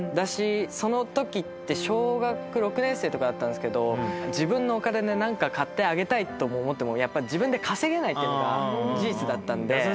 そのときって小学６年生とかだったんですが自分のお金で何か買ってあげたいと思っても自分で稼げないってのが事実だったんで。